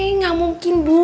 nggak mungkin bu